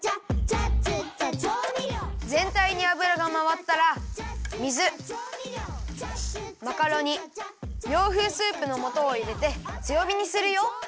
ぜんたいにあぶらがまわったら水マカロニ洋風スープのもとをいれてつよびにするよ。